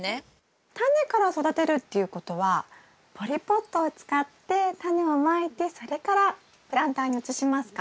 タネから育てるっていうことはポリポットを使ってタネをまいてそれからプランターに移しますか？